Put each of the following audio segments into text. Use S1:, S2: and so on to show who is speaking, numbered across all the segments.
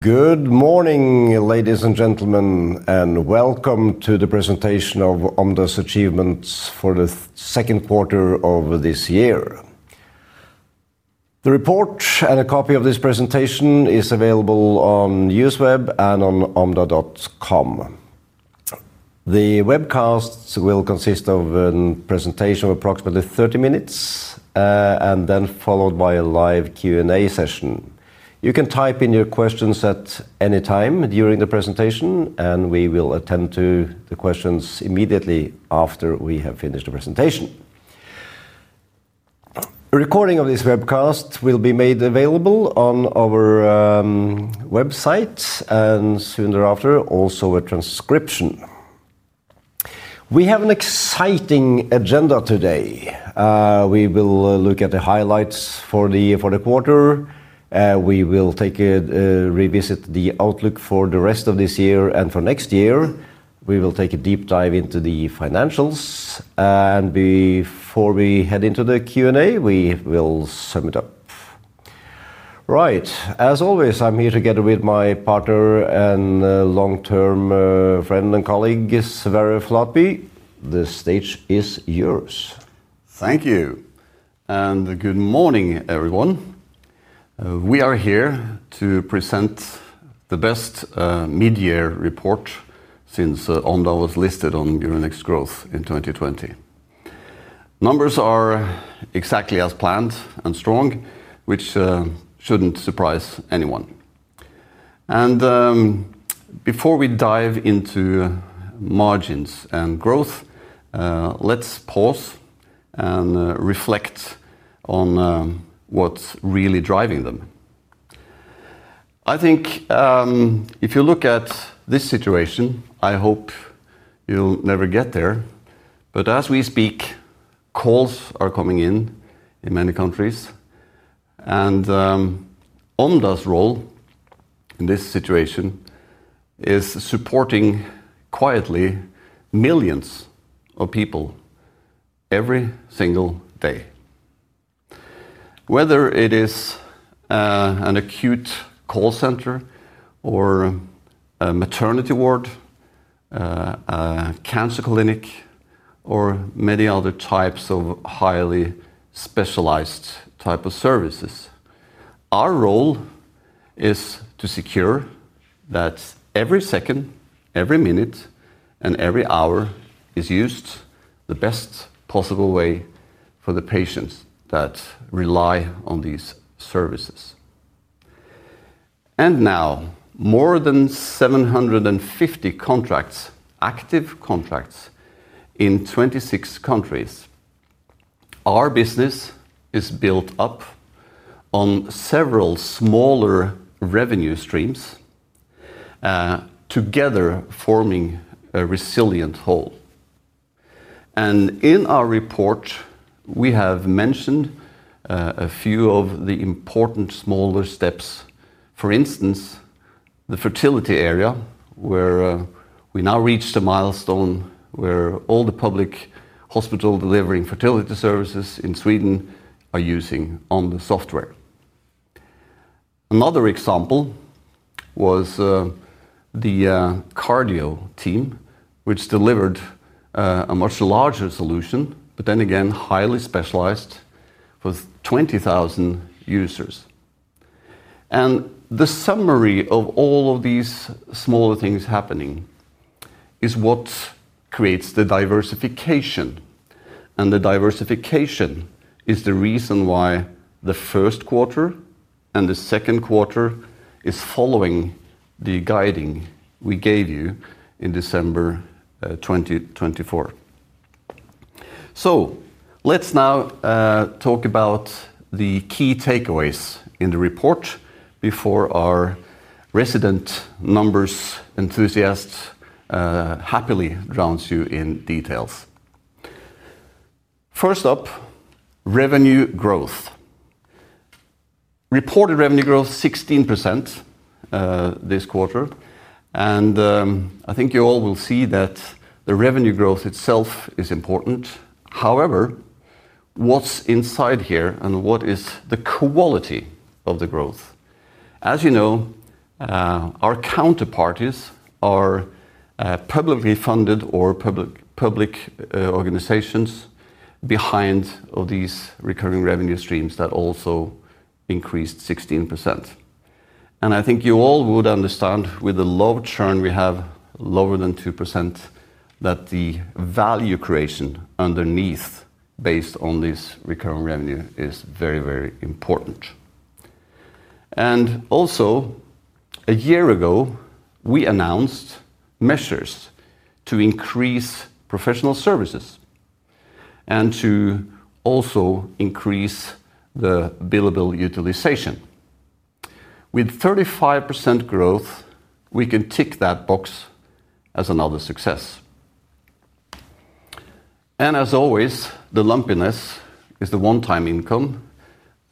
S1: Good morning, ladies and gentlemen, and welcome to the presentation of Omda's Achievements for the Second Quarter of this Year. The report and a copy of this presentation are available on YousWeb and on omda.com. The webcast will consist of a presentation of approximately 30 minutes, followed by a live Q&A session. You can type in your questions at any time during the presentation, and we will attend to the questions immediately after we have finished the presentation. Recording of this webcast will be made available on our website, and soon thereafter, also a transcription. We have an exciting agenda today. We will look at the highlights for the quarter. We will revisit the outlook for the rest of this year and for next year. We will take a deep dive into the financials, and before we head into the Q&A, we will sum it up. As always, I'm here together with my partner and long-term friend and colleague, Sverre Flatby. The stage is yours.
S2: Thank you, and good morning, everyone. We are here to present the best mid-year report since Omda was listed on Euronext Growth in 2020. Numbers are exactly as planned and strong, which shouldn't surprise anyone. Before we dive into margins and growth, let's pause and reflect on what's really driving them. I think if you look at this situation, I hope you'll never get there, but as we speak, calls are coming in in many countries, and Omda's role in this situation is supporting quietly millions of people every single day. Whether it is an acute call center or a maternity ward, a cancer clinic, or many other types of highly specialized types of services, our role is to secure that every second, every minute, and every hour is used the best possible way for the patients that rely on these services. Now, more than 750 contracts, active contracts, in 26 countries. Our business is built up on several smaller revenue streams, together forming a resilient whole. In our report, we have mentioned a few of the important smaller steps. For instance, the fertility area, where we now reached a milestone where all the public hospital delivering fertility services in Sweden are using Omda software. Another example was the cardio team, which delivered a much larger solution, but then again, highly specialized with 20,000 users. The summary of all of these smaller things happening is what creates the diversification, and the diversification is the reason why the first quarter and the second quarter are following the guidance we gave you in December 2024. Let's now talk about the key takeaways in the report before our resident numbers enthusiast happily drowns you in details. First up, revenue growth. Reported revenue growth 16% this quarter, and I think you all will see that the revenue growth itself is important. However, what's inside here and what is the quality of the growth? As you know, our counterparties are publicly funded or public organizations behind these recurring revenue streams that also increased 16%. I think you all would understand with the low churn we have, lower than 2%, that the value creation underneath based on this recurring revenue is very, very important. Also, a year ago, we announced measures to increase professional services and to also increase the billable utilization. With 35% growth, we can tick that box as another success. As always, the lumpiness is the one-time income,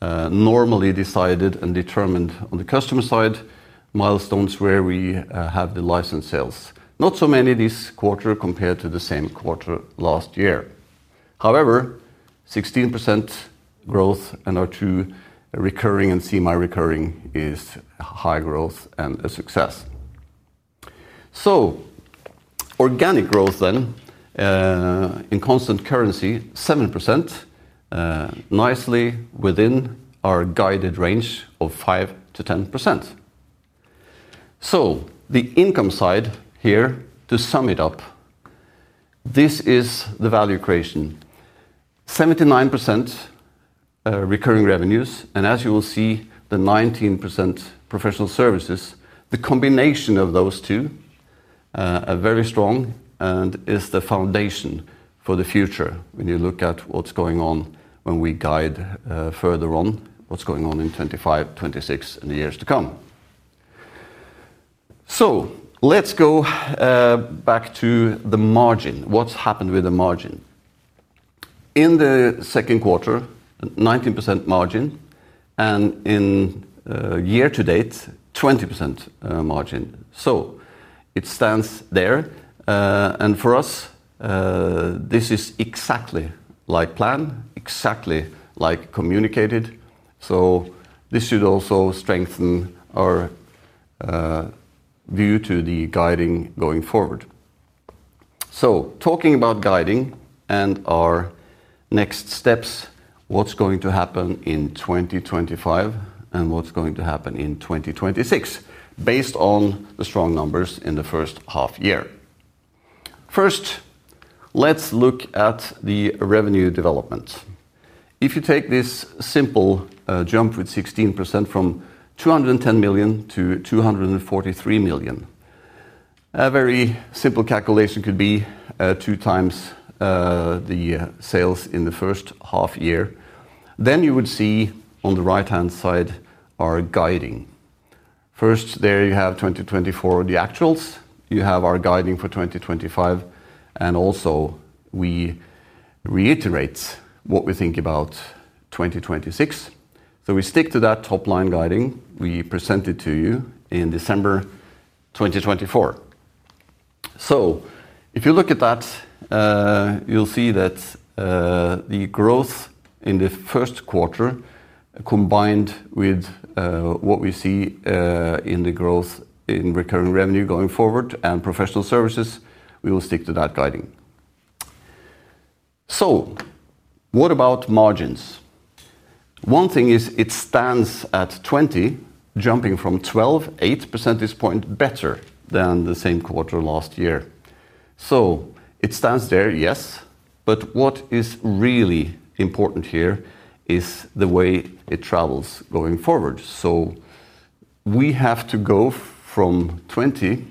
S2: normally decided and determined on the customer side, milestones where we have the licensed sales. Not so many this quarter compared to the same quarter last year. However, 16% growth and our true recurring and semi-recurring is high growth and a success. Organic growth then, in constant currency, 7%, nicely within our guided range of 5%-10%. The income side here, to sum it up, this is the value creation. 79% recurring revenues, and as you will see, the 19% professional services, the combination of those two is very strong and is the foundation for the future when you look at what's going on when we guide further on what's going on in 2025, 2026, and the years to come. Let's go back to the margin. What's happened with the margin? In the second quarter, 19% margin, and in year to date, 20% margin. It stands there, and for us, this is exactly like plan, exactly like communicated. This should also strengthen our view to the guiding going forward. Talking about guiding and our next steps, what's going to happen in 2025 and what's going to happen in 2026, based on the strong numbers in the first half year. First, let's look at the revenue developments. If you take this simple jump with 16% from $210 million to $243 million, a very simple calculation could be two times the sales in the first half year. You would see on the right-hand side our guiding. First, there you have 2024, the actuals. You have our guiding for 2025, and also we reiterate what we think about 2026. We stick to that top-line guiding we presented to you in December 2024. If you look at that, you'll see that the growth in the first quarter combined with what we see in the growth in recurring revenue going forward and professional services, we will stick to that guiding. What about margins? One thing is it stands at 20%, jumping from 12%, 8% at this point, better than the same quarter last year. It stands there, yes, but what is really important here is the way it travels going forward. We have to go from 20%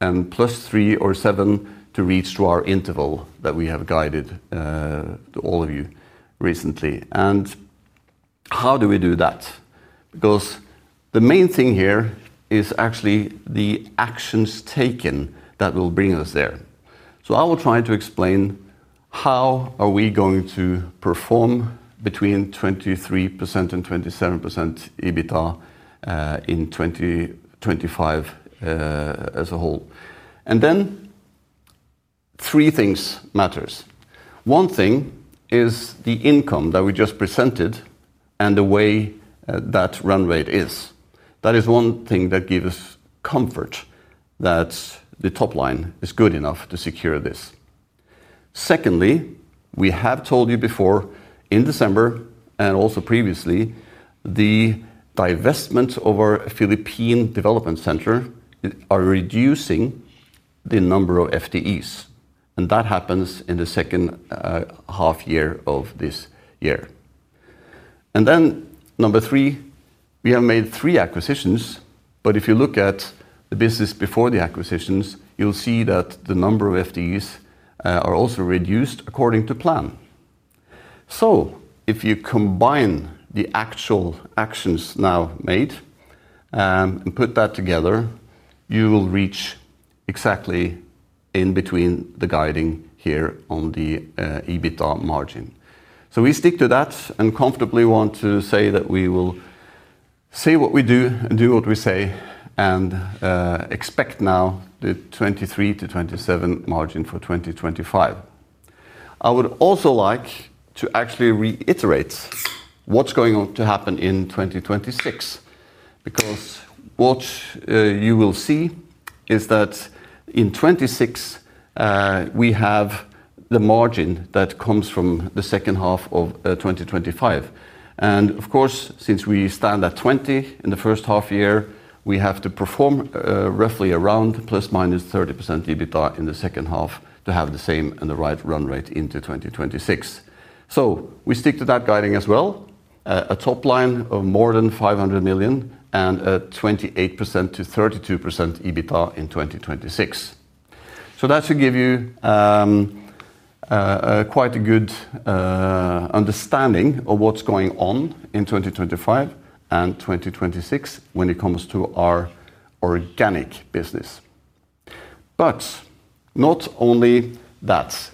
S2: and +3% or +7% to reach to our interval that we have guided to all of you recently. How do we do that? The main thing here is actually the actions taken that will bring us there. I will try to explain how are we going to perform between 23% and 27% EBITDA in 2025 as a whole. Three things matter. One thing is the income that we just presented and the way that run rate is. That is one thing that gives us comfort that the top line is good enough to secure this. Secondly, we have told you before in December and also previously, the divestment of our Philippine development center is reducing the number of FTEs. That happens in the second half year of this year. Number three, we have made three acquisitions, but if you look at the business before the acquisitions, you'll see that the number of FTEs are also reduced according to plan. If you combine the actual actions now made and put that together, you will reach exactly in between the guiding here on the EBITDA margin. We stick to that and comfortably want to say that we will say what we do and do what we say and expect now the 23% to 27% margin for 2025. I would also like to actually reiterate what's going to happen in 2026. What you will see is that in 2026, we have the margin that comes from the second half of 2025. Of course, since we stand at 20% in the first half year, we have to perform roughly around plus minus 30% EBITDA in the second half to have the same and the right run rate into 2026. We stick to that guiding as well, a top line of more than $500 million and a 28% to 32% EBITDA in 2026. That should give you quite a good understanding of what's going on in 2025 and 2026 when it comes to our organic business. Not only that,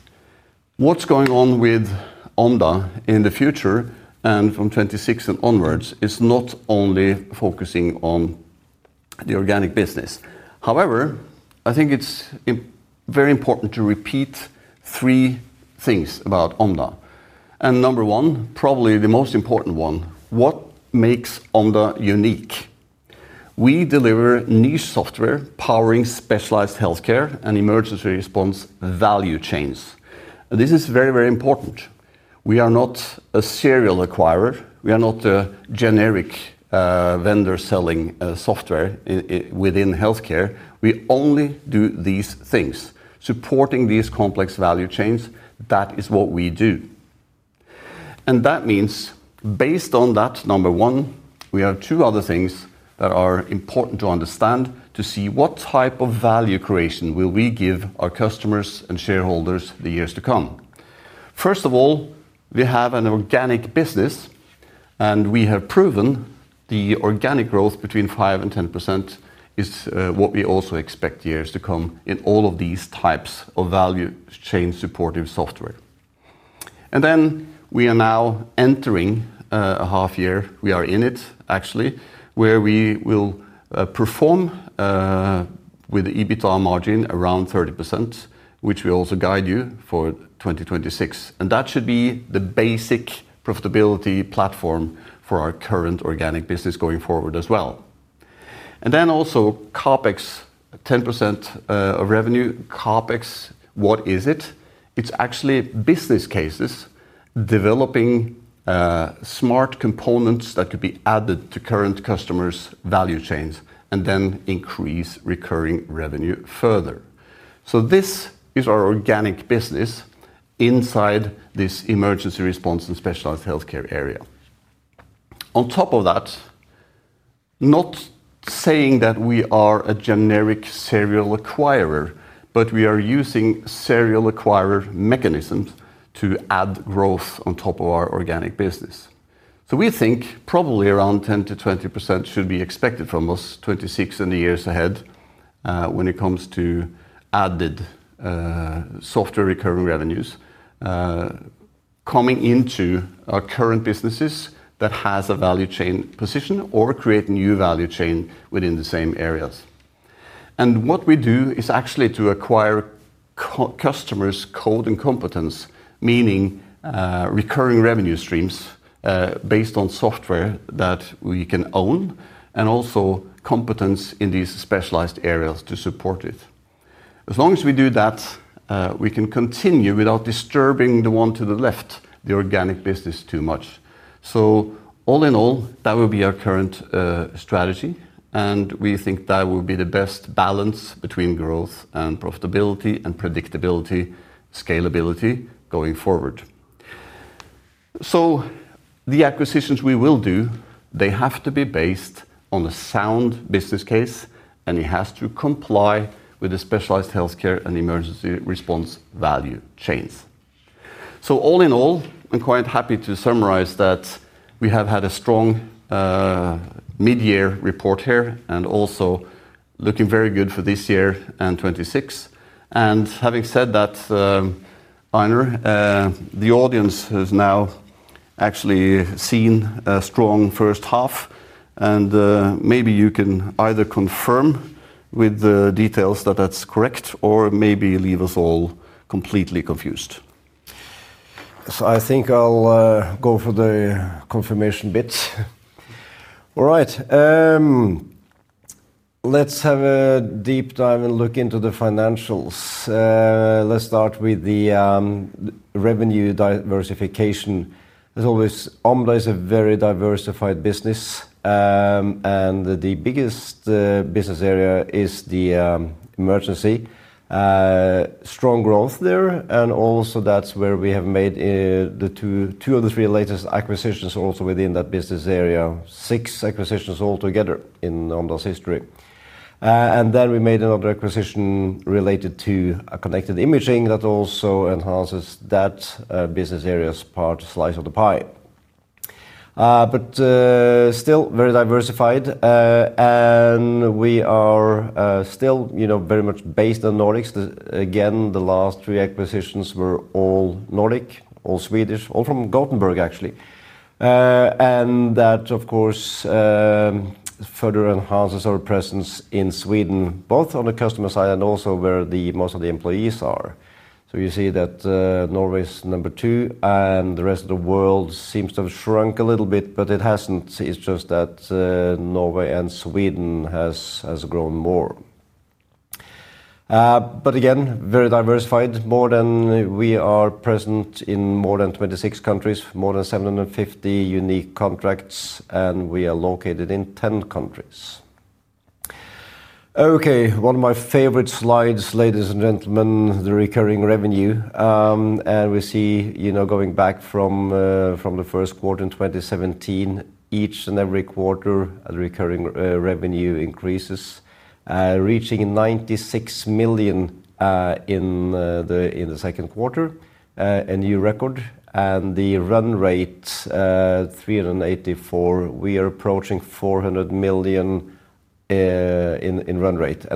S2: what's going on with Omda in the future and from 2026 and onwards is not only focusing on the organic business. However, I think it's very important to repeat three things about Omda. Number one, probably the most important one, what makes Omda unique? We deliver new software powering specialized healthcare and emergency response value chains. This is very, very important. We are not a serial acquirer. We are not a generic vendor selling software within healthcare. We only do these things. Supporting these complex value chains, that is what we do. That means, based on that, number one, we have two other things that are important to understand to see what type of value creation will we give our customers and shareholders the years to come. First of all, we have an organic business, and we have proven the organic growth between 5% and 10% is what we also expect years to come in all of these types of value chain supportive software. We are now entering a half year, we are in it actually, where we will perform with the EBITDA margin around 30%, which we also guide you for 2026. That should be the basic profitability platform for our current organic business going forward as well. Also, CAPEX, 10% of revenue. CAPEX, what is it? It's actually business cases developing smart components that could be added to current customers' value chains and then increase recurring revenue further. This is our organic business inside this emergency response and specialized healthcare area. On top of that, not saying that we are a generic serial acquirer, but we are using serial acquirer mechanisms to add growth on top of our organic business. We think probably around 10%-20% should be expected from us, 2026 and the years ahead, when it comes to added software recurring revenues coming into our current businesses that has a value chain position or create a new value chain within the same areas. What we do is actually to acquire customers' code and competence, meaning recurring revenue streams based on software that we can own and also competence in these specialized areas to support it. As long as we do that, we can continue without disturbing the one to the left, the organic business too much. All in all, that will be our current strategy, and we think that will be the best balance between growth and profitability and predictability, scalability going forward. The acquisitions we will do have to be based on a sound business case, and it has to comply with the specialized healthcare and emergency response value chains. All in all, I'm quite happy to summarize that we have had a strong mid-year report here and also looking very good for this year and 2026. Having said that, Einar, the audience has now actually seen a strong first half, and maybe you can either confirm with the details that that's correct or maybe leave us all completely confused.
S1: I think I'll go for the confirmation bit. All right, let's have a deep dive and look into the financials. Let's start with the revenue diversification. As always, Omda is a very diversified business, and the biggest business area is the emergency. Strong growth there, and also that's where we have made two of the three latest acquisitions also within that business area. Six acquisitions altogether in Omda's history. We made another acquisition related to connected imaging that also enhances that business area's part of the slice of the pie. Still very diversified, and we are still very much based on Nordics. Again, the last three acquisitions were all Nordic, all Swedish, all from Gothenburg, actually. That, of course, further enhances our presence in Sweden, both on the customer side and also where most of the employees are. You see that Norway is number two, and the rest of the world seems to have shrunk a little bit, but it hasn't. It's just that Norway and Sweden have grown more. Very diversified. We are present in more than 26 countries, more than 750 unique contracts, and we are located in 10 countries. Okay, one of my favorite slides, ladies and gentlemen, the recurring revenue. We see, going back from the first quarter in 2017, each and every quarter, the recurring revenue increases, reaching 96 million in the second quarter, a new record. The run rate, 384 million. We are approaching 400 million in run rate.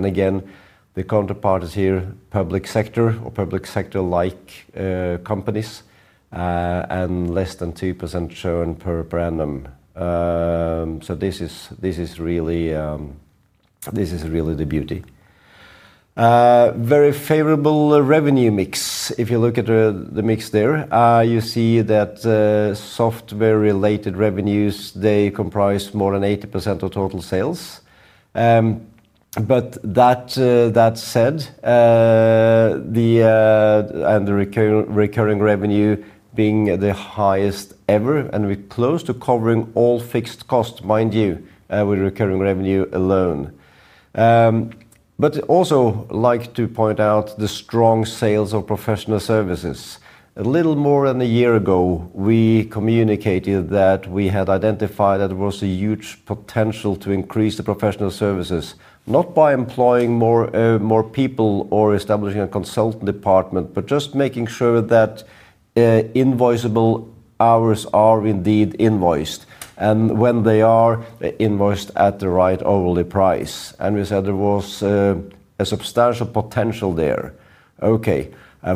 S1: The counterpart is here, public sector or public sector-like companies, and less than 2% churn per annum. This is really the beauty. Very favorable revenue mix. If you look at the mix there, you see that software-related revenues comprise more than 80% of total sales. That said, the recurring revenue being the highest ever, and we're close to covering all fixed costs, mind you, with recurring revenue alone. I also like to point out the strong sales of professional services. A little more than a year ago, we communicated that we had identified that there was a huge potential to increase the professional services, not by employing more people or establishing a consultant department, but just making sure that invoiceable hours are indeed invoiced, and when they are, they're invoiced at the right hourly price. We said there was a substantial potential there.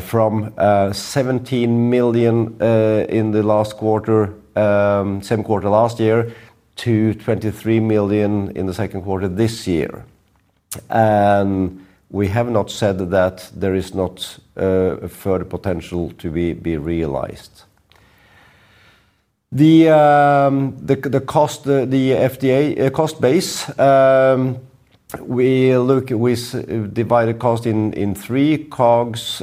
S1: From 17 million in the last quarter, same quarter last year, to 23 million in the second quarter this year. We have not said that there is not a further potential to be realized. The cost, the FDA cost base, we look at, we divide the cost in three, COGS,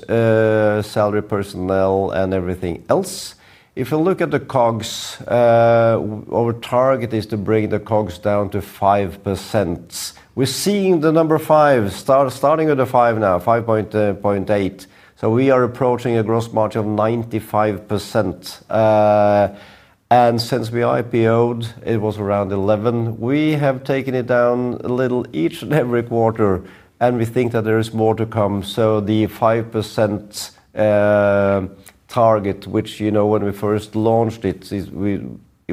S1: salary personnel, and everything else. If you look at the COGS, our target is to bring the COGS down to 5%. We're seeing the number five, starting with the five now, 5.8%. We are approaching a gross margin of 95%. Since we IPOed, it was around 11%. We have taken it down a little each and every quarter, and we think that there is more to come. The 5% target, which you know when we first launched it, it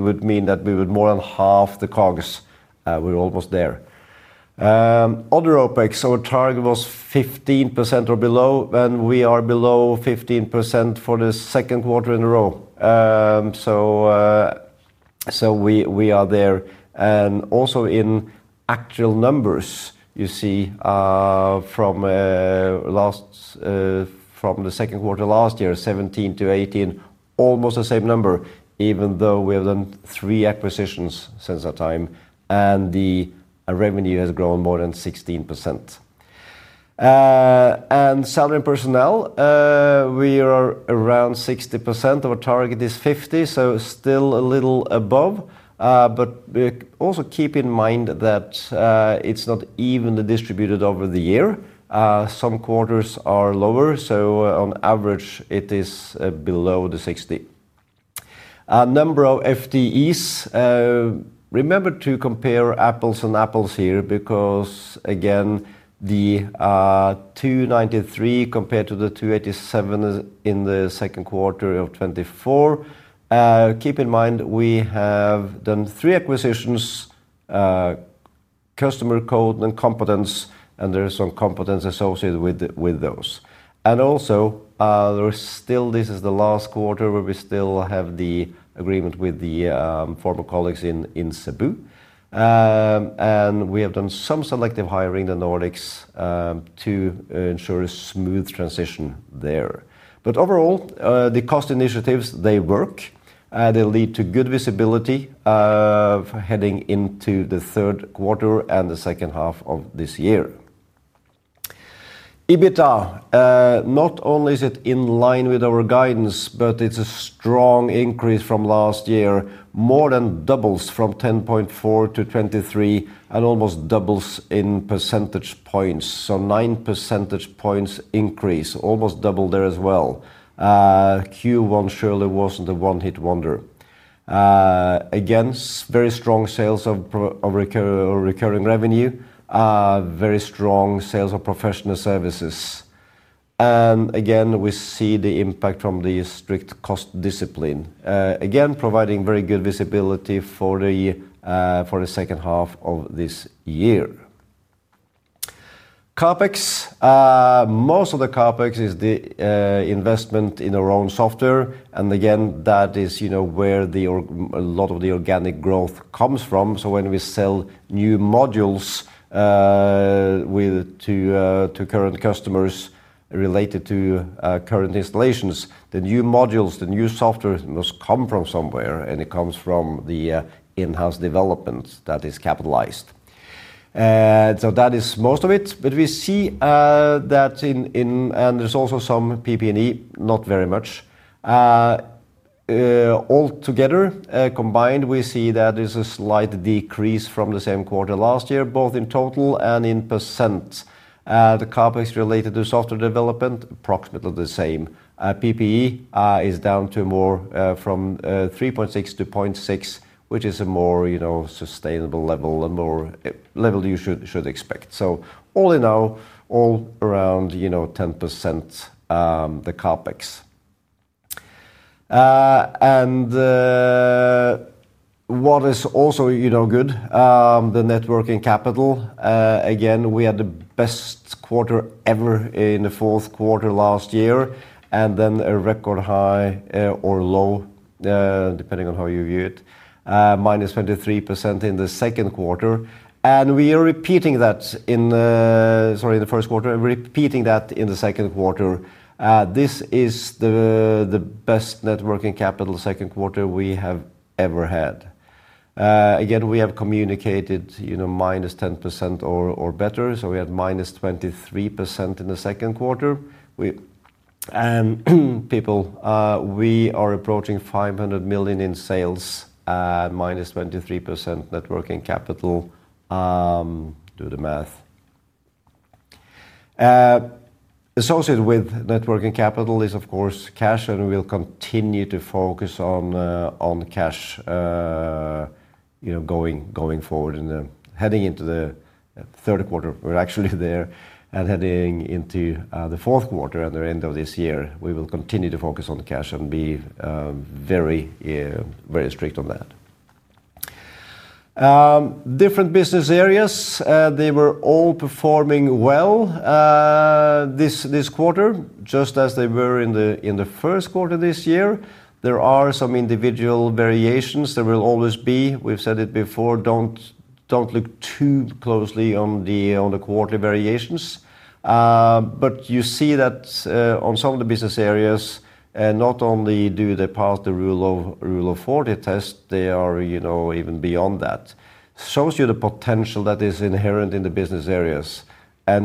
S1: would mean that we would more than halve the COGS. We're almost there. Other OPEX, our target was 15% or below, and we are below 15% for the second quarter in a row. We are there. Also, in actual numbers, you see from the second quarter last year, 17 to 18, almost the same number, even though we have done three acquisitions since that time. The revenue has grown more than 16%. Salary personnel, we are around 60%. Our target is 50%, so still a little above. Keep in mind that it's not even distributed over the year. Some quarters are lower, so on average, it is below the 60. A number of FTEs, remember to compare apples and apples here because again, the 293 compared to the 287 in the second quarter of 2024. Keep in mind we have done three acquisitions, customer code and competence, and there is some competence associated with those. There is still, this is the last quarter where we still have the agreement with the former colleagues in Cebu. We have done some selective hiring in the Nordics to ensure a smooth transition there. Overall, the cost initiatives, they work. They lead to good visibility heading into the third quarter and the second half of this year. EBITDA, not only is it in line with our guidance, but it's a strong increase from last year, more than doubles from 10.4% to 23% and almost doubles in percentage points. Nine percentage points increase, almost double there as well. Q1 surely wasn't a one-hit wonder. Very strong sales of recurring revenue, very strong sales of professional services. We see the impact from the strict cost discipline, again providing very good visibility for the second half of this year. CAPEX, most of the CAPEX is the investment in our own software. That is where a lot of the organic growth comes from. When we sell new modules to current customers related to current installations, the new modules, the new software must come from somewhere, and it comes from the in-house development that is capitalized. That is most of it. We see that in, and there's also some PP&E, not very much. Altogether, combined, we see that there's a slight decrease from the same quarter last year, both in total and in percent. The CAPEX related to software development, approximately the same. PP&E is down to more from 3.6 to 0.6, which is a more sustainable level, a more level you should expect. All in all, all around 10%, the CAPEX. What is also good, the networking capital. Again, we had the best quarter ever in the fourth quarter last year, and then a record high or low, depending on how you view it, minus 23% in the second quarter. We are repeating that in the first quarter, and repeating that in the second quarter. This is the best networking capital second quarter we have ever had. Again, we have communicated, you know, -10% or better. We had minus 23% in the second quarter. People, we are approaching 500 million in sales, -23% networking capital. Do the math. Associated with networking capital is, of course, cash, and we'll continue to focus on cash, you know, going forward and heading into the third quarter. We're actually there and heading into the fourth quarter at the end of this year. We will continue to focus on cash and be very, very strict on that. Different business areas, they were all performing well this quarter, just as they were in the first quarter this year. There are some individual variations. There will always be. We've said it before. Don't look too closely on the quarterly variations. You see that on some of the business areas, and not only do they pass the rule of 40 test, they are, you know, even beyond that. It shows you the potential that is inherent in the business areas.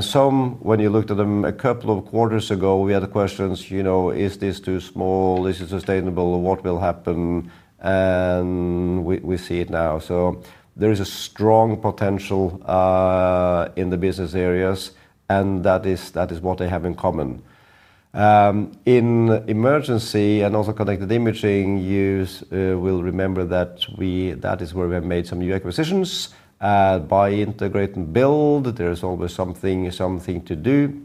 S1: Some, when you looked at them a couple of quarters ago, we had questions, you know, is this too small? Is it sustainable? What will happen? We see it now. There is a strong potential in the business areas, and that is what they have in common. In emergency and also connected imaging, you will remember that is where we have made some new acquisitions. By integrate and build, there is always something to do.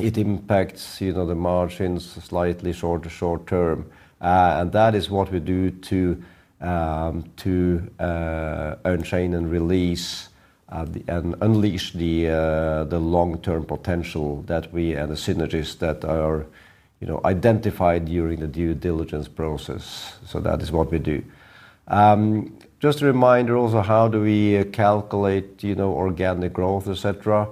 S1: It impacts, you know, the margins slightly short-term. That is what we do to unchain and release and unleash the long-term potential that we and the synergies that are, you know, identified during the due diligence process. That is what we do. Just a reminder also, how do we calculate, you know, organic growth, et cetera?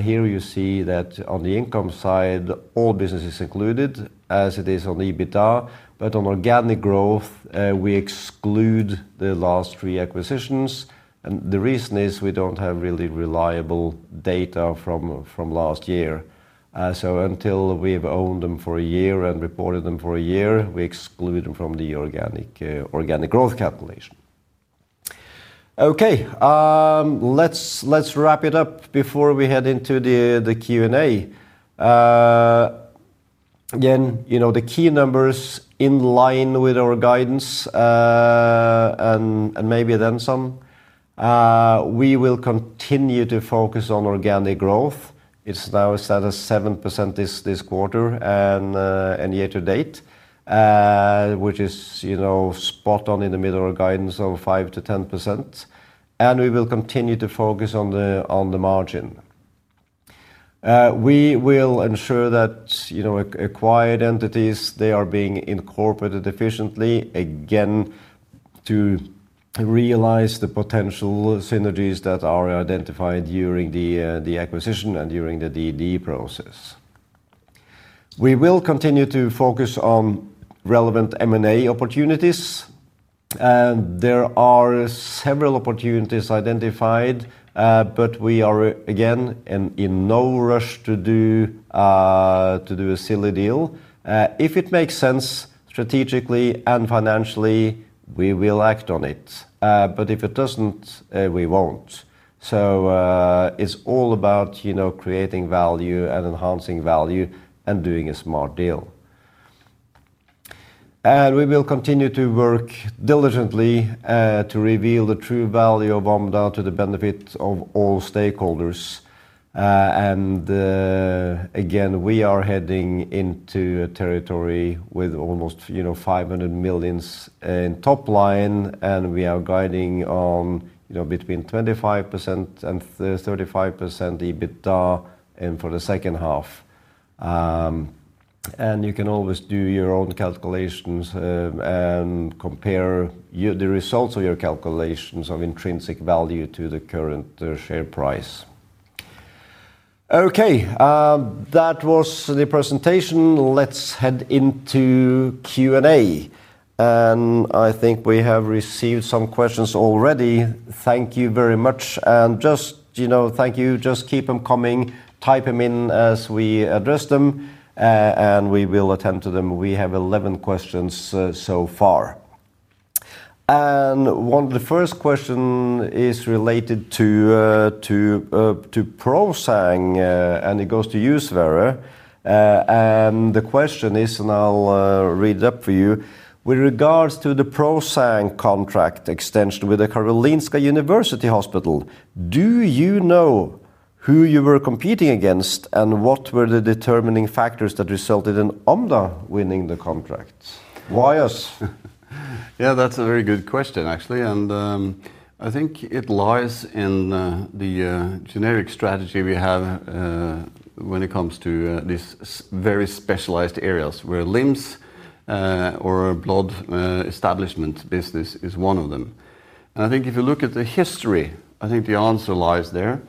S1: Here you see that on the income side, all businesses included as it is on EBITDA, but on organic growth, we exclude the last three acquisitions. The reason is we don't have really reliable data from last year. Until we've owned them for a year and reported them for a year, we exclude them from the organic growth calculation. Okay, let's wrap it up before we head into the Q&A. Again, the key numbers in line with our guidance and maybe then some. We will continue to focus on organic growth. It's now set at 7% this quarter and year to date, which is spot on in the middle of our guidance of 5%-10%. We will continue to focus on the margin. We will ensure that acquired entities are being incorporated efficiently, again, to realize the potential synergies that are identified during the acquisition and during the DD process. We will continue to focus on relevant M&A opportunities. There are several opportunities identified, but we are in no rush to do a silly deal. If it makes sense strategically and financially, we will act on it. If it doesn't, we won't. It's all about creating value and enhancing value and doing a smart deal. We will continue to work diligently to reveal the true value of Omda to the benefit of all stakeholders. We are heading into a territory with almost 500 million in top line, and we are guiding on between 25% and 35% EBITDA for the second half. You can always do your own calculations and compare the results of your calculations of intrinsic value to the current share price. That was the presentation. Let's head into Q&A. I think we have received some questions already. Thank you very much. Thank you. Just keep them coming. Type them in as we address them, and we will attend to them. We have 11 questions so far. One of the first questions is related to ProSang, and it goes to you, Sverre. The question is, and I'll read it up for you, with regards to the ProSang contract extension with the Karolinska University Hospital, do you know who you were competing against and what were the determining factors that resulted in Omda winning the contract? Why us?
S2: Yeah, that's a very good question, actually. I think it lies in the generic strategy we have when it comes to these very specialized areas where limbs or blood establishment business is one of them. If you look at the history, I think the answer lies there.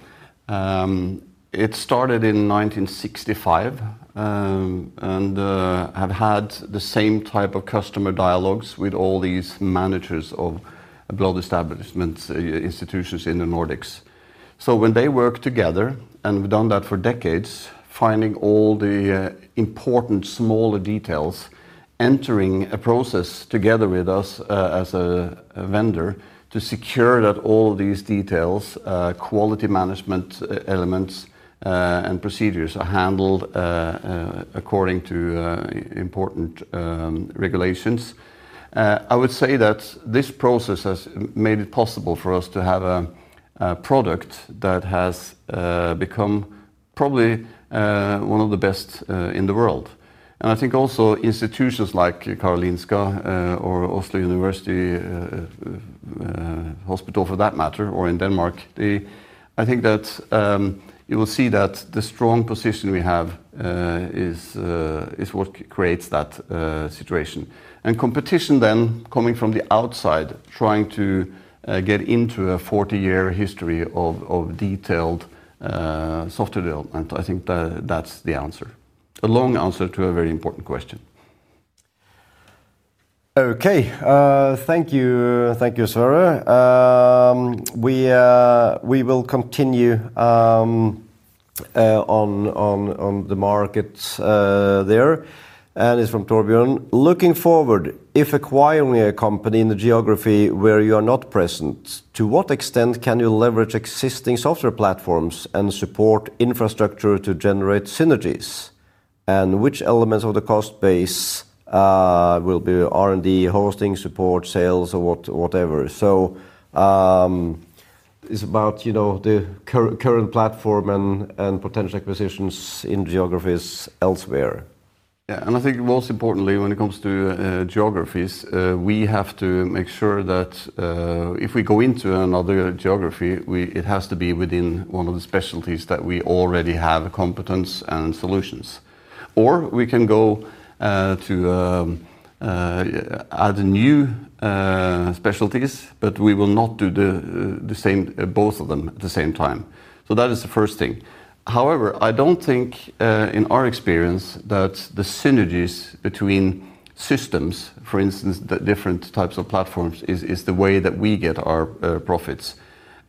S2: It started in 1965 and has had the same type of customer dialogues with all these managers of blood establishment institutions in the Nordics. When they work together, and we've done that for decades, finding all the important smaller details, entering a process together with us as a vendor to secure that all these details, quality management elements, and procedures are handled according to important regulations, I would say that this process has made it possible for us to have a product that has become probably one of the best in the world. I think also institutions like Karolinska University Hospital or Oslo University Hospital, for that matter, or in Denmark, I think that you will see that the strong position we have is what creates that situation. Competition then coming from the outside, trying to get into a 40-year history of detailed software development, I think that's the answer. A long answer to a very important question.
S1: Okay, thank you, Sverre. We will continue on the markets there. It's from Torbjörn. Looking forward, if acquiring a company in a geography where you are not present, to what extent can you leverage existing software platforms and support infrastructure to generate synergies? Which elements of the cost base will be R&D, hosting support, sales, or whatever? It is about the current platform and potential acquisitions in geographies elsewhere.
S2: Yeah, and I think most importantly, when it comes to geographies, we have to make sure that if we go into another geography, it has to be within one of the specialties that we already have competence and solutions. We can go to add new specialties, but we will not do the same, both of them at the same time. That is the first thing. However, I don't think in our experience that the synergies between systems, for instance, the different types of platforms, is the way that we get our profits.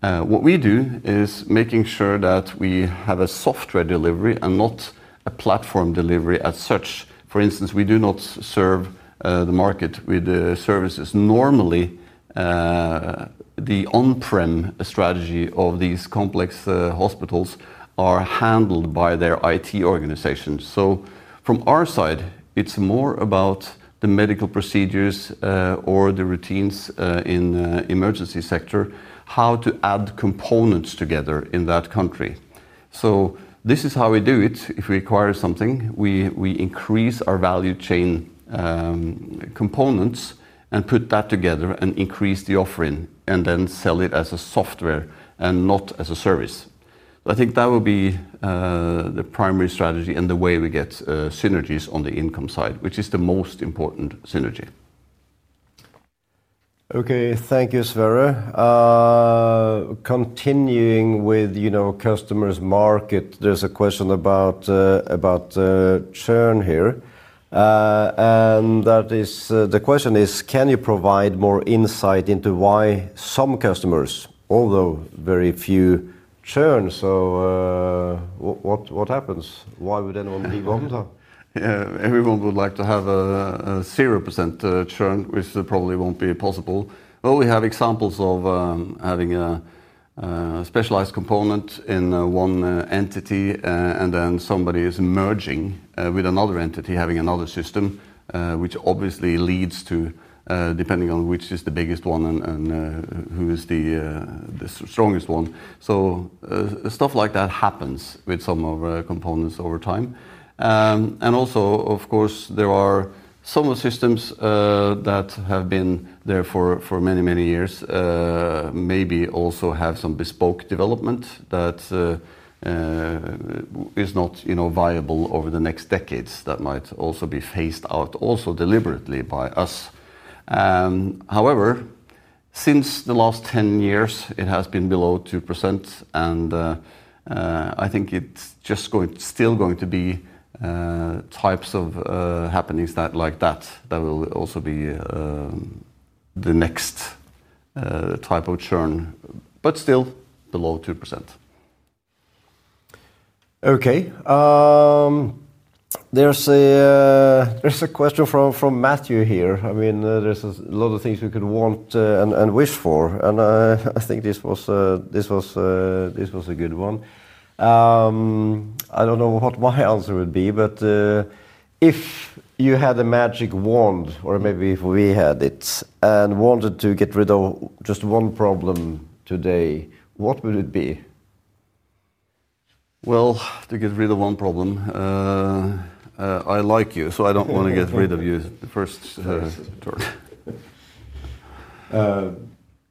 S2: What we do is making sure that we have a software delivery and not a platform delivery as such. For instance, we do not serve the market with services. Normally, the on-prem strategy of these complex hospitals is handled by their IT organizations. From our side, it's more about the medical procedures or the routines in the emergency sector, how to add components together in that country. This is how we do it. If we acquire something, we increase our value chain components and put that together and increase the offering and then sell it as a software and not as a service. I think that will be the primary strategy and the way we get synergies on the income side, which is the most important synergy.
S1: Okay, thank you, Sverre. Continuing with customers' market, there's a question about churn here. The question is, can you provide more insight into why some customers, although very few, churn? What happens? Why would anyone leave Omda?
S2: Everyone would like to have a 0% churn, which probably won't be possible. We have examples of having a specialized component in one entity and then somebody is merging with another entity, having another system, which obviously leads to, depending on which is the biggest one and who is the strongest one. Stuff like that happens with some of our components over time. Of course, there are some of the systems that have been there for many, many years, maybe also have some bespoke development that is not viable over the next decades. That might also be phased out, also deliberately by us. However, since the last 10 years, it has been below 2%. I think it's just still going to be types of happenings like that that will also be the next type of churn, but still below 2%.
S1: Okay. There's a question from Matthew here. I mean, there's a lot of things we could want and wish for. I think this was a good one. I don't know what my answer would be, but if you had a magic wand, or maybe if we had it, and wanted to get rid of just one problem today, what would it be?
S2: To get rid of one problem, I like you, so I don't want to get rid of you first.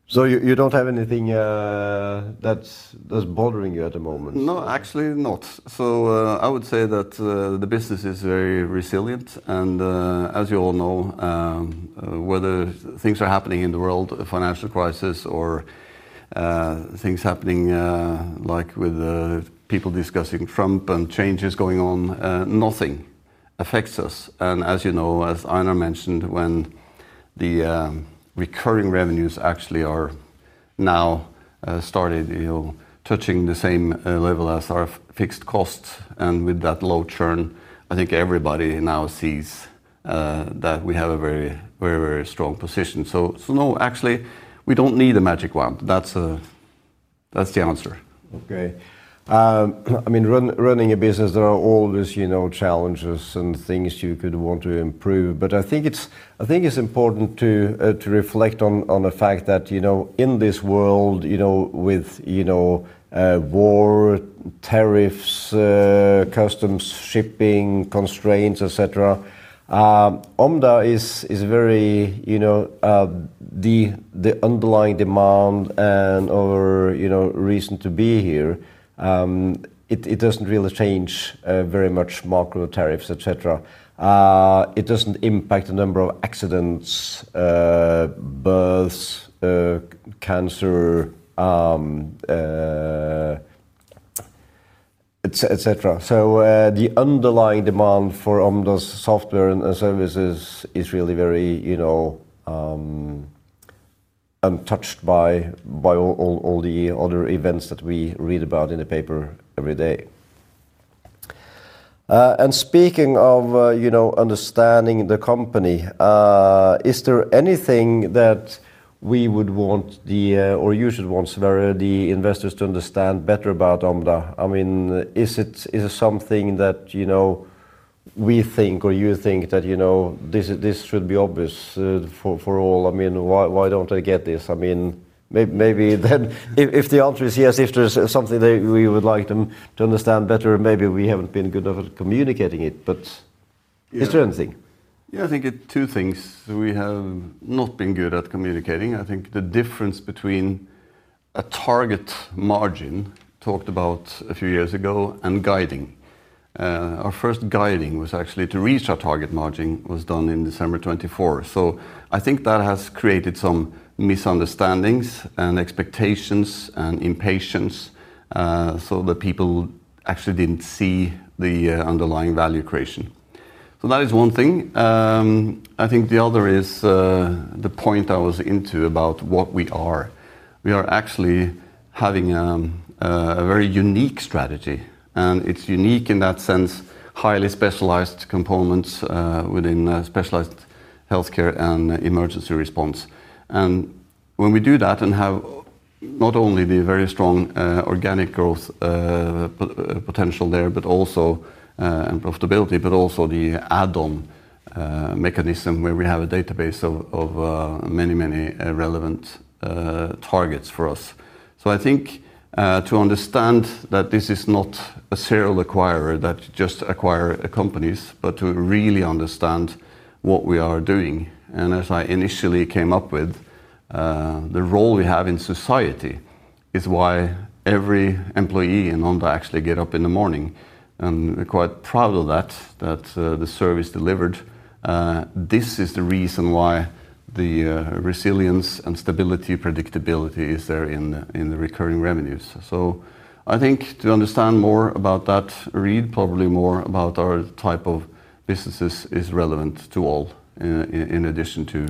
S1: You don't have anything that's bothering you at the moment?
S2: No, actually not. I would say that the business is very resilient. As you all know, whether things are happening in the world, a financial crisis, or things happening like with people discussing Trump and changes going on, nothing affects us. As you know, as Einar mentioned, when the recurring revenues actually are now started touching the same level as our fixed costs, with that low churn, I think everybody now sees that we have a very, very, very strong position. No, actually, we don't need a magic wand. That's the answer.
S1: Okay. I mean, running a business, there are always challenges and things you could want to improve. I think it's important to reflect on the fact that, in this world, with war, tariffs, customs, shipping, constraints, et cetera, Omda is very, the underlying demand and our reason to be here, it doesn't really change very much. Market tariffs, et cetera, it doesn't impact the number of accidents, births, cancer, et cetera. The underlying demand for Omda's software and services is really very untouched by all the other events that we read about in the paper every day. Speaking of understanding the company, is there anything that we would want the, or you should want, Sverre, the investors to understand better about Omda? I mean, is it something that we think or you think that this should be obvious for all? I mean, why don't they get this? Maybe then, if the answer is yes, if there's something that we would like them to understand better, maybe we haven't been good at communicating it. Is there anything?
S2: Yeah, I think two things we have not been good at communicating. I think the difference between a target margin talked about a few years ago and guiding. Our first guiding was actually to reach our target margin, was done in December 2024. I think that has created some misunderstandings and expectations and impatience, so that people actually didn't see the underlying value creation. That is one thing. I think the other is the point I was into about what we are. We are actually having a very unique strategy. It's unique in that sense, highly specialized components within specialized healthcare and emergency response. When we do that and have not only the very strong organic growth potential there, but also, and profitability, but also the add-on mechanism where we have a database of many, many relevant targets for us. I think to understand that this is not a serial acquirer that just acquires companies, but to really understand what we are doing. As I initially came up with, the role we have in society is why every employee in Omda actually gets up in the morning. We're quite proud of that, that the service delivered. This is the reason why the resilience and stability, predictability is there in the recurring revenues. I think to understand more about that read, probably more about our type of businesses is relevant to all, in addition to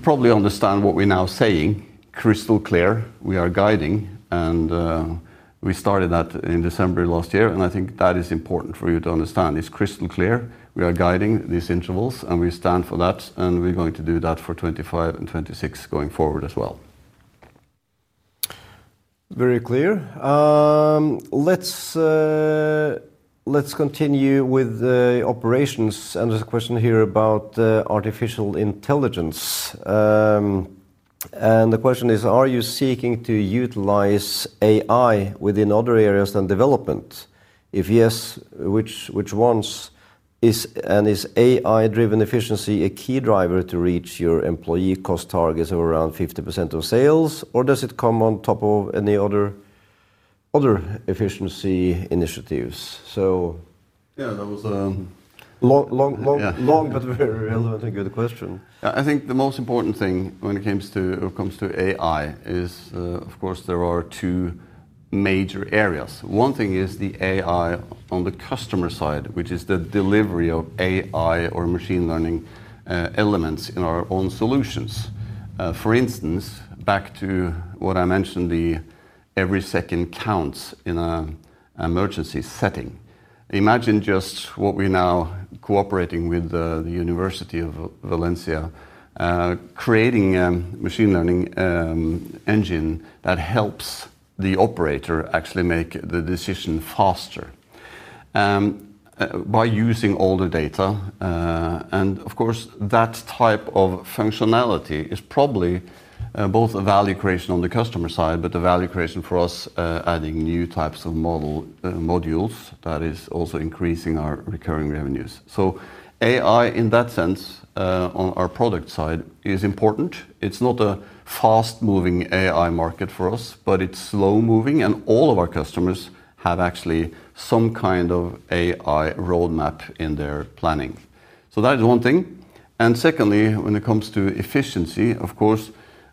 S2: probably understand what we're now saying, crystal clear, we are guiding. We started that in December last year. I think that is important for you to understand. It's crystal clear. We are guiding these intervals, and we stand for that. We're going to do that for 2025 and 2026 going forward as well.
S1: Very clear. Let's continue with the operations. There's a question here about artificial intelligence. The question is, are you seeking to utilize AI within other areas than development? If yes, which ones? Is AI-driven efficiency a key driver to reach your employee cost targets of around 50% of sales, or does it come on top of any other efficiency initiatives?
S2: Yeah, that was a long, but very relevant and good question. I think the most important thing when it comes to AI is, of course, there are two major areas. One thing is the AI on the customer side, which is the delivery of AI or machine learning elements in our own solutions. For instance, back to what I mentioned, the every second counts in an emergency setting. Imagine just what we're now cooperating with the University of Valencia, creating a machine learning engine that helps the operator actually make the decision faster by using all the data. Of course, that type of functionality is probably both a value creation on the customer side, but a value creation for us, adding new types of modules that is also increasing our recurring revenues. AI in that sense, on our product side, is important. It's not a fast-moving AI market for us, it's slow-moving. All of our customers have actually some kind of AI roadmap in their planning. That is one thing. Secondly, when it comes to efficiency,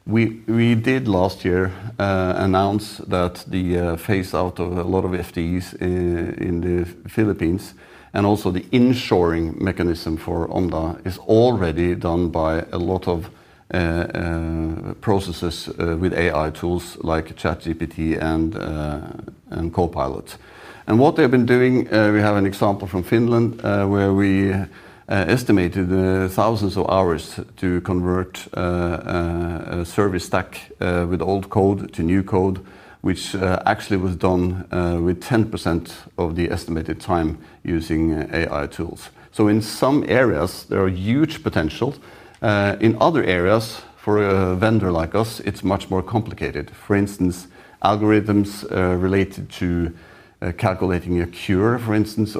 S2: we did last year announce the phase out of a lot of FTEs in the Philippines, and also the insuring mechanism for Omda, is already done by a lot of processes with AI tools like ChatGPT and Copilot. What they've been doing, we have an example from Finland where we estimated thousands of hours to convert a service stack with old code to new code, which actually was done with 10% of the estimated time using AI tools. In some areas, there are huge potentials. In other areas, for a vendor like us, it's much more complicated. For instance, algorithms related to calculating a cure, for instance,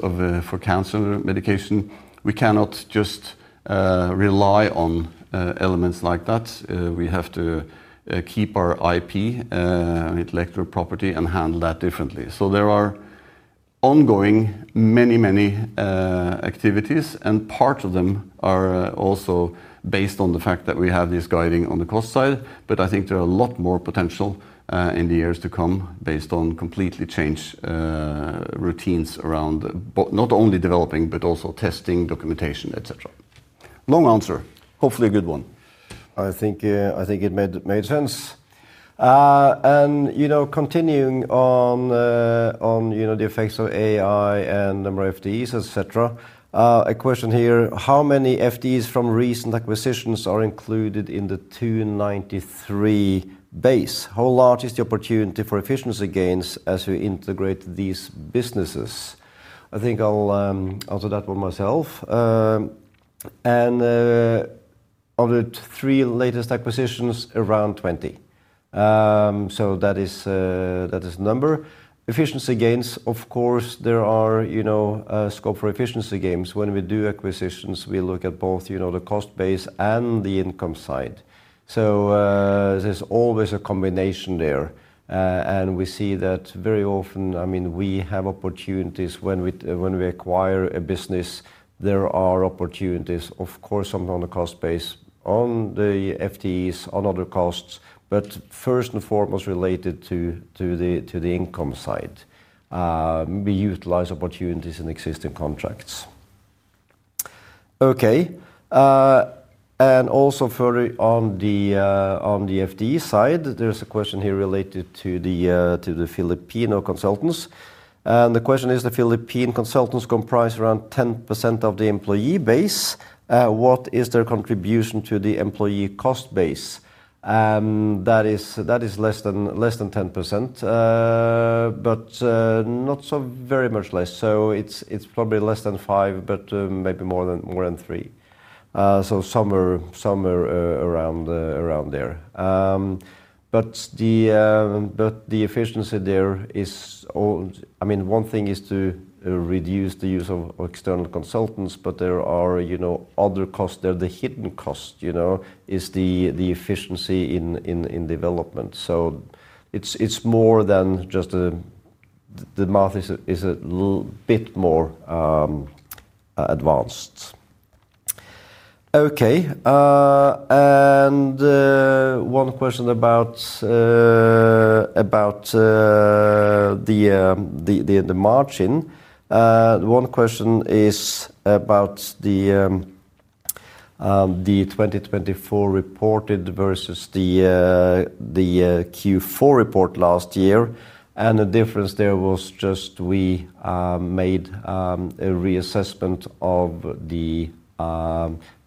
S2: for cancer medication, we cannot just rely on elements like that. We have to keep our IP, intellectual property, and handle that differently. There are ongoing many, many activities, and part of them are also based on the fact that we have this guiding on the cost side. I think there are a lot more potential in the years to come based on completely changed routines around not only developing, but also testing, documentation, et cetera. Long answer, hopefully a good one.
S1: I think it made sense. Continuing on, the effects of AI and the number of FTEs, et cetera, a question here. How many FTEs from recent acquisitions are included in the 293 base? How large is the opportunity for efficiency gains as we integrate these businesses? I think I'll answer that one myself. Of the three latest acquisitions, around 20. That is the number. Efficiency gains, of course, there is a scope for efficiency gains. When we do acquisitions, we look at both the cost base and the income side. There's always a combination there. We see that very often. We have opportunities when we acquire a business. There are opportunities on the cost base, on the FTEs, on other costs, but first and foremost related to the income side. We utilize opportunities in existing contracts. Further on the FTE side, there's a question here related to the Filipino consultants. The question is, the Philippine consultants comprise around 10% of the employee base. What is their contribution to the employee cost base? That is less than 10%, but not so very much less. It's probably less than 5%, but maybe more than 3%. Somewhere around there. The efficiency there is all, one thing is to reduce the use of external consultants, but there are other costs there. The hidden cost is the efficiency in development. It's more than just the math is a bit more advanced. One question about the margin. One question is about the 2024 reported versus the Q4 report last year. The difference there was just we made a reassessment of the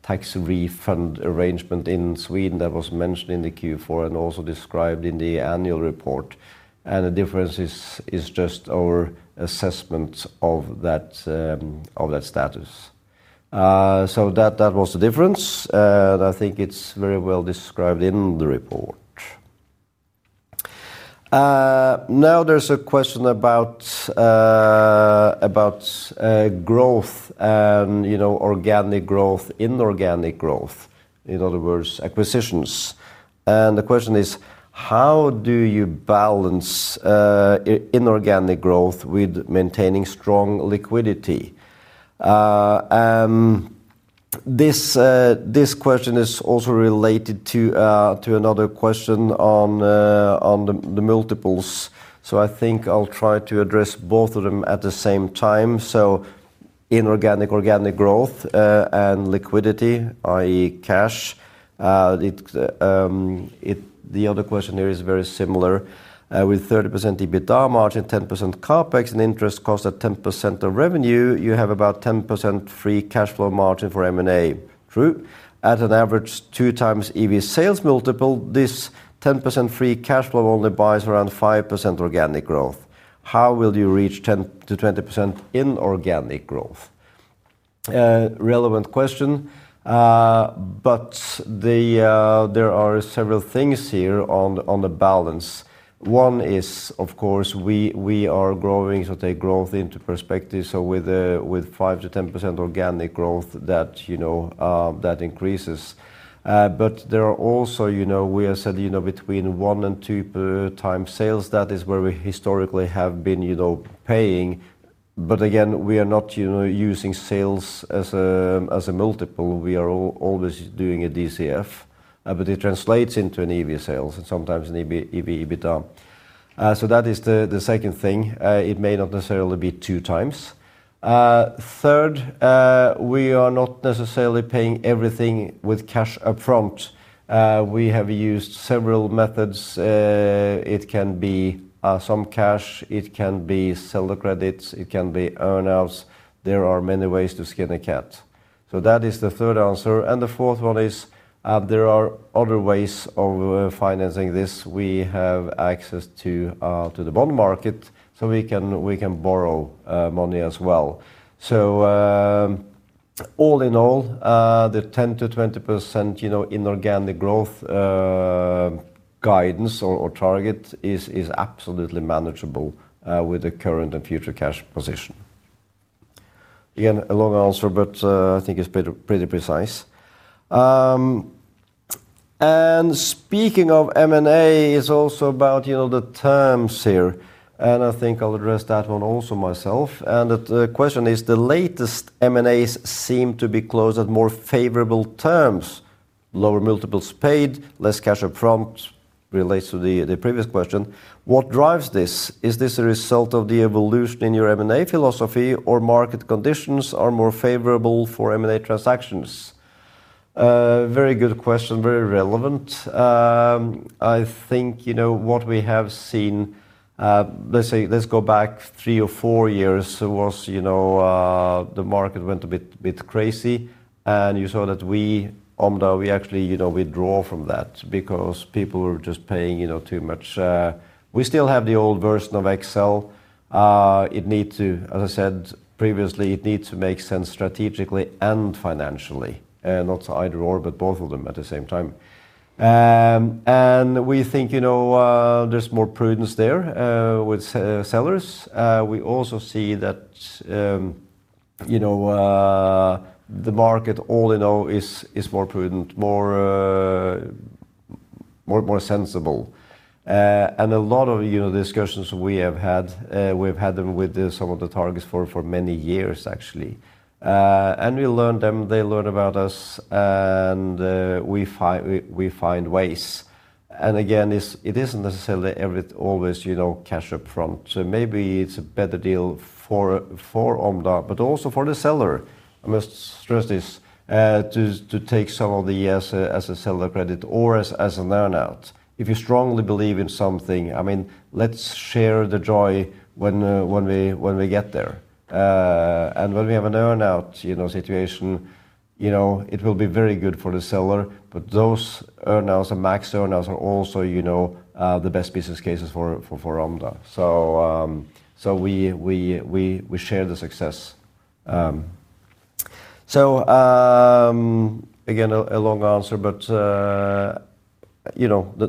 S1: tax refund arrangement in Sweden that was mentioned in the Q4 and also described in the annual report. The difference is just our assessment of that status. That was the difference. I think it's very well described in the report. Now there's a question about growth and organic growth, inorganic growth, in other words, acquisitions. The question is, how do you balance inorganic growth with maintaining strong liquidity? This question is also related to another question on the multiples. I think I'll try to address both of them at the same time. Inorganic, organic growth and liquidity, i.e. cash. The other question here is very similar. With 30% EBITDA margin, 10% CAPEX, and interest cost at 10% of revenue, you have about 10% free cash flow margin for M&A. True. At an average two times EV sales multiple, this 10% free cash flow only buys around 5% organic growth. How will you reach 10 to 20% inorganic growth? Relevant question. There are several things here on the balance. One is, of course, we are growing, so take growth into perspective. With 5 to 10% organic growth, that increases. We are setting between one and two per time sales. That is where we historically have been paying. We are not using sales as a multiple. We are always doing a DCF, but it translates into an EV sales and sometimes an EV EBITDA. That is the second thing. It may not necessarily be two times. Third, we are not necessarily paying everything with cash upfront. We have used several methods. It can be some cash, it can be seller credits, it can be earnouts. There are many ways to skin a cat. That is the third answer. The fourth one is there are other ways of financing this. We have access to the bond market. We can borrow money as well. All in all, the 10 to 20% inorganic growth guidance or target is absolutely manageable with the current and future cash position. Again, a long answer, but I think it's pretty precise. Speaking of M&A, it's also about the terms here. I think I'll address that one also myself. The question is, the latest M&As seem to be closed at more favorable terms. Lower multiples paid, less cash upfront relates to the previous question. What drives this? Is this a result of the evolution in your M&A philosophy or market conditions are more favorable for M&A transactions? Very good question, very relevant. I think what we have seen, let's say, let's go back three or four years, was the market went a bit crazy. You saw that we, Omda, we actually withdrew from that because people were just paying too much. We still have the old version of Excel. It needs to, as I said previously, it needs to make sense strategically and financially, not to either or, but both of them at the same time. We think there's more prudence there with sellers. We also see that the market all in all is more prudent, more sensible. A lot of discussions we have had, we've had them with some of the targets for many years, actually. We learned them, they learned about us, and we find ways. It isn't necessarily always, you know, cash upfront. Maybe it's a better deal for Omda, but also for the seller. I must stress this, to take some of the years as a sell the credit or as an earnout. If you strongly believe in something, let's share the joy when we get there. When we have an earnout situation, it will be very good for the seller. Those earnouts, the max earnouts are also the best business cases for Omda. We share the success. A long answer, but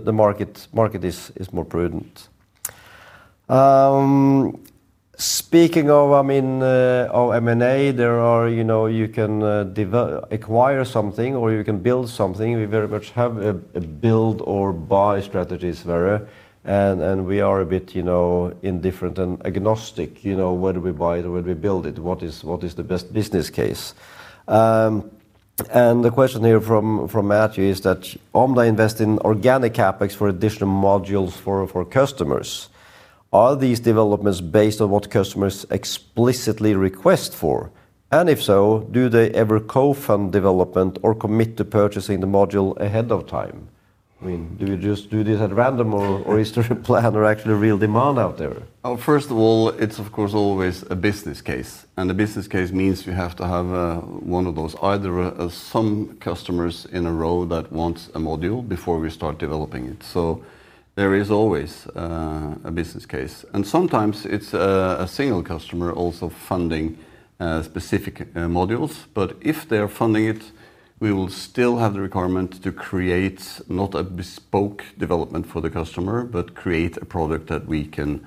S1: the market is more prudent. Speaking of M&A, you can acquire something or you can build something. We very much have a build or buy strategy, Sverre. We are a bit indifferent and agnostic, where do we buy it or where do we build it? What is the best business case? The question here from Matthew is that Omda invests in organic CAPEX for additional modules for customers. Are these developments based on what customers explicitly request for? If so, do they ever co-fund development or commit to purchasing the module ahead of time? Do you just do this at random or is there a plan or actually real demand out there?
S2: First of all, it's of course always a business case. A business case means you have to have one of those, either some customers in a row that want a module before we start developing it. There is always a business case. Sometimes it's a single customer also funding specific modules. If they're funding it, we will still have the requirement to create not a bespoke development for the customer, but create a product that we can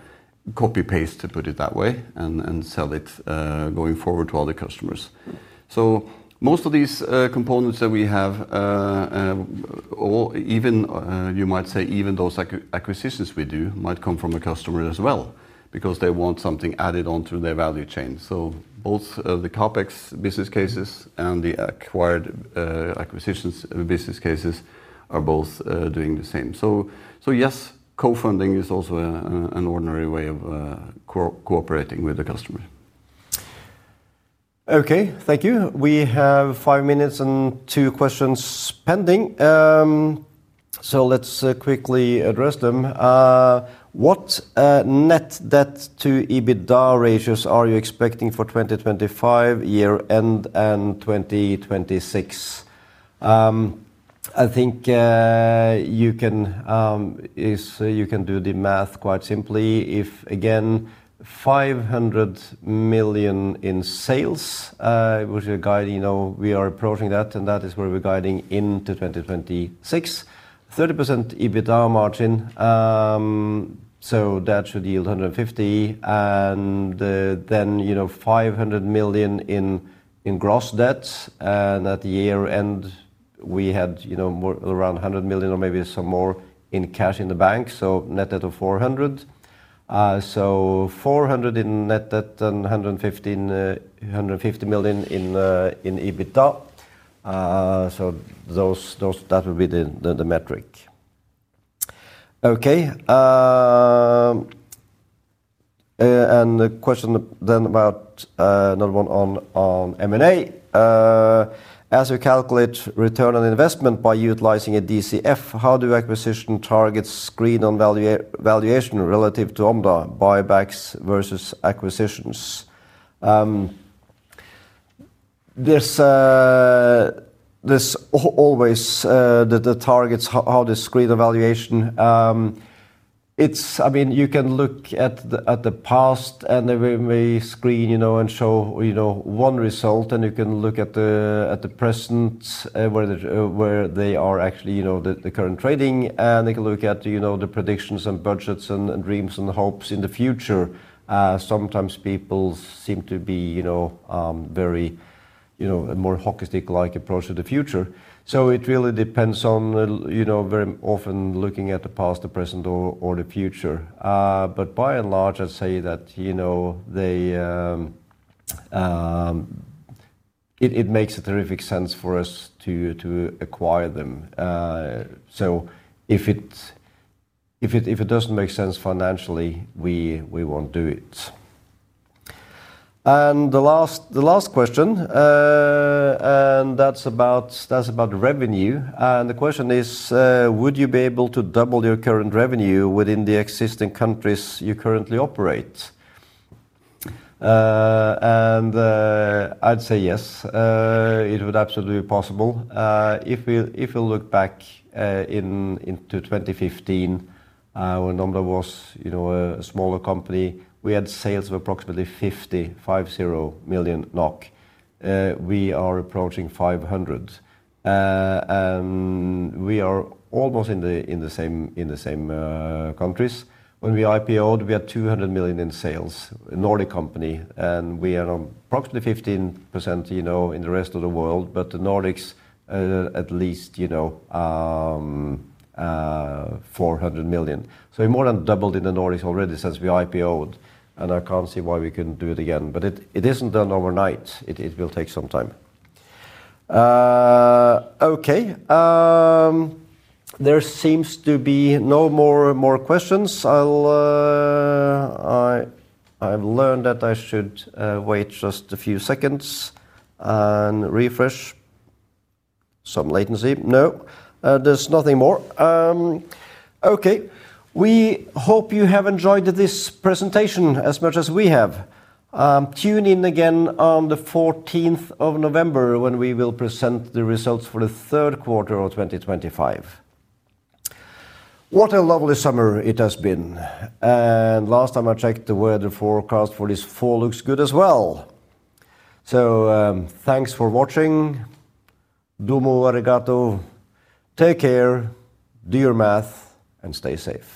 S2: copy-paste, to put it that way, and sell it going forward to other customers. Most of these components that we have, or even you might say even those acquisitions we do, might come from a customer as well because they want something added onto their value chain. Both the CAPEX business cases and the acquired acquisitions business cases are both doing the same. Yes, co-funding is also an ordinary way of cooperating with the customer.
S1: Okay, thank you. We have five minutes and two questions pending. Let's quickly address them. What net debt to EBITDA ratios are you expecting for 2025 year end and 2026? I think you can do the math quite simply. If, again, 500 million in sales, which you're guiding, we are approaching that, and that is where we're guiding into 2026. 30% EBITDA margin. That should yield 150 million. 500 million in gross debt. At the year end, we had around 100 million or maybe some more in cash in the bank. Net debt of 400 million. 400 million in net debt and 150 million in EBITDA. That would be the metric. The question then about another one on M&A. As we calculate return on investment by utilizing a DCF, how do acquisition targets screen on valuation relative to Omda buybacks versus acquisitions? There's always the targets, how to screen on valuation. You can look at the past and then we screen and show one result. You can look at the present where they are actually the current trading. They can look at the predictions and budgets and dreams and hopes in the future. Sometimes people seem to be a more hockey stick-like approach to the future. It really depends on very often looking at the past, the present, or the future. By and large, I'd say that it makes a terrific sense for us to acquire them. If it doesn't make sense financially, we won't do it. The last question, and that's about revenue. The question is, would you be able to double your current revenue within the existing countries you currently operate? I'd say yes. It would absolutely be possible. If we look back into 2015, when Omda was a smaller company, we had sales of approximately 50 million NOK. We are approaching 500 million. We are almost in the same countries. When we IPOed, we had 200 million in sales, a Nordic company, and we are approximately 15% in the rest of the world. The Nordics, at least, 400 million. We've more than doubled in the Nordics already since we IPOed. I can't see why we couldn't do it again. It isn't done overnight. It will take some time. Okay. There seems to be no more questions. I've learned that I should wait just a few seconds and refresh some latency. No, there's nothing more. Okay. We hope you have enjoyed this presentation as much as we have. Tune in again on the 14th of November when we will present the results for the third quarter of 2025. What a lovely summer it has been. Last time I checked, the weather forecast for this fall looks good as well. Thanks for watching. Doomo arigato. Take care. Do your math and stay safe.